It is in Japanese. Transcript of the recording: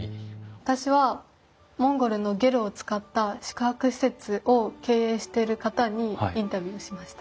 私はモンゴルのゲルを使った宿泊施設を経営してる方にインタビューをしました。